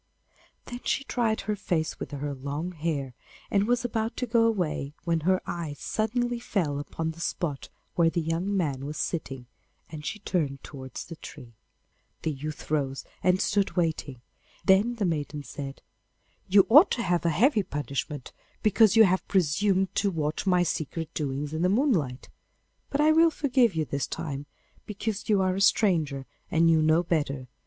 Then she dried her face with her long hair, and was about to go away, when her eye suddenly fell upon the spot where the young man was sitting, and she turned towards the tree. The youth rose and stood waiting. Then the maiden said, 'You ought to have a heavy punishment because you have presumed to watch my secret doings in the moonlight. But I will forgive you this time, because you are a stranger and knew no better.